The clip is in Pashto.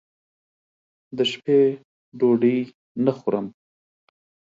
دشپې ډوډۍ نه خورم